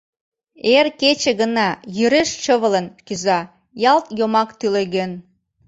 Эр кече гына, йӱреш чывылын, кӱза, ялт йомак тӱлеген.